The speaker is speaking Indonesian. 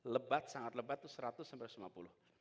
lebat sangat lebat itu seratus sampai satu ratus lima puluh